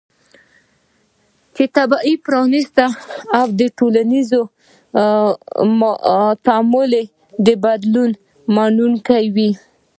چې طبیعي، پرانستې او د ټولنیز تعامل د بدلونونو منونکې وي